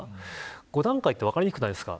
５段階って分かりにくくないですか。